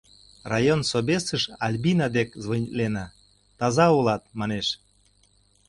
Район собесыш Альбина дек звонитлена, таза улат, манеш.